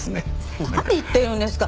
何言ってるんですか？